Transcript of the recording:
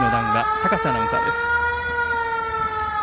高瀬アナウンサーです。